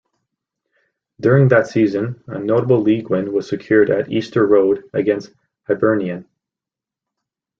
During that season a notable league win was secured at Easter Road against Hibernian.